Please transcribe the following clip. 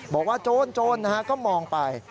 บอกว่าโจรนะฮะก็มองไป